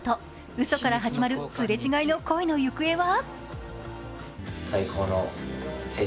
うそから始まるすれ違いの恋の行方は？